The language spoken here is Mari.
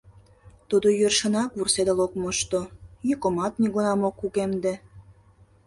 Тудо йӧршынак вурседыл ок мошто, йӱкымат нигунам ок кугемде.